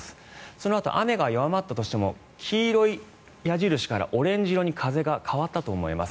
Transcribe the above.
そのあと雨が弱まったとしても黄色い矢印からオレンジ色に風が変わったと思います。